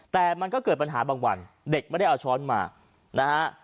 แต่มันก็เกิดปัญหาบางวันเด็กไม่ได้เอาช้อนมานะฮะ